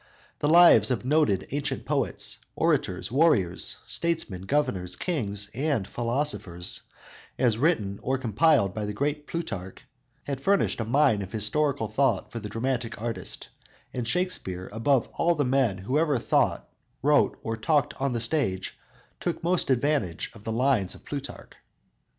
The lives of noted ancient poets, orators, warriors, statesmen, governors, kings and philosophers, as written or compiled by the great Plutarch has furnished a mine of historic thought for the dramatic artist, and Shakspere, above all the men who ever thought, wrote or talked on the stage, took most advantage of the lines of Plutarch.